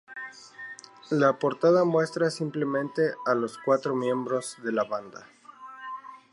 La portada muestra simplemente a los cuatro miembros de la banda.